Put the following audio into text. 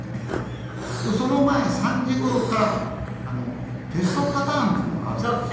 その前３時頃からテストパターンっていうのがあるんですよ。